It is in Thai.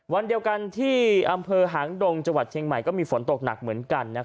วันเดียวกันที่อำเภอหางดงจังหวัดเชียงใหม่ก็มีฝนตกหนักเหมือนกัน